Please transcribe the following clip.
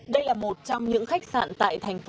đây là một trong những khách sạn tại thành phố